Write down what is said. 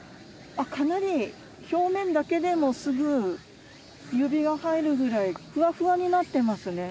あっかなり表面だけでもすぐ指が入るぐらいふわふわになってますね。